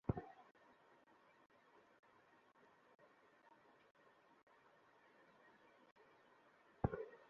আশির দশকের গান বাজা।